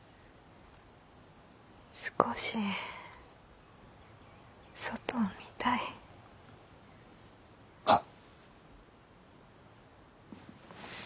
少し外を見たい。はっ。